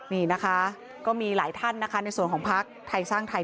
นี่นะคะก็มีหลายท่านนะคะในส่วนของพักไทยสร้างไทย